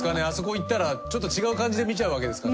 行ったらちょっと違う感じで見ちゃうわけですかね。